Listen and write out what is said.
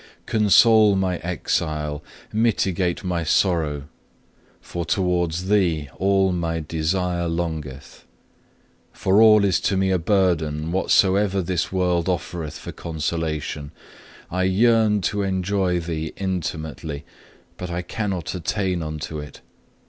4. Console my exile, mitigate my sorrow, for towards Thee all my desire longeth. For all is to me a burden, whatsoever this world offereth for consolation. I yearn to enjoy Thee intimately, but I cannot attain unto it.